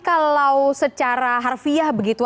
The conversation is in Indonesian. kalau secara harfiah begitu